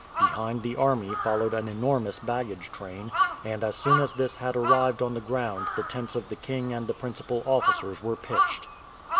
Behind the army followed an enormous baggage train; and as soon as this had arrived on the ground the tents of the king and the principal officers were pitched.